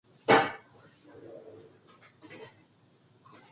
민수는 딸을 꼭 껴안으며 밥상에 마주 앉았다.